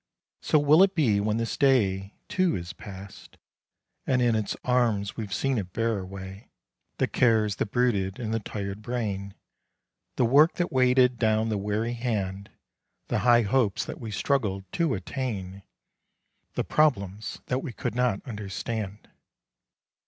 So will it be when this day, too, is past, And in its arms we've seen it bear away The cares that brooded in the tired brain; The work that weighted down the weary hand; The high hopes that we struggled to attain; The problems that we could not understand.